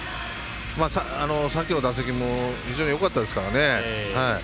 さっきの打席も非常によかったですからね。